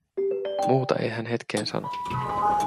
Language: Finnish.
Muuta ei hän hetkeen sano.